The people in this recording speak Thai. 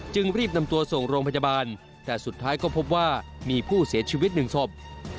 รีบนำตัวส่งโรงพยาบาลแต่สุดท้ายก็พบว่ามีผู้เสียชีวิตหนึ่งศพ